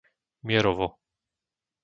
Mierovo